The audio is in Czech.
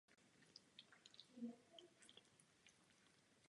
Okolí a věž je veřejnosti nepřístupná.